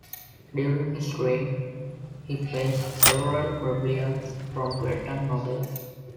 During his reign he faced several rebellions from Breton nobles.